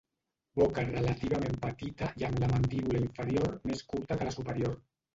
Boca relativament petita i amb la mandíbula inferior més curta que la superior.